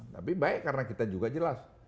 tapi baik karena kita juga jelas